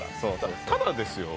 ただですよ